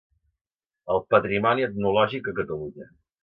El patrimoni etnològic a Catalunya.